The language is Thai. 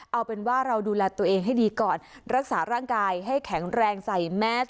เอาเป็นว่าเราดูแลตัวเองให้ดีก่อนรักษาร่างกายให้แข็งแรงใส่แมส